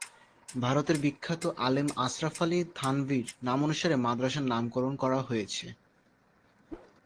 ভারতের বিখ্যাত আলেম আশরাফ আলী থানভীর নামানুসারে মাদ্রাসার নামকরণ করা হয়েছে।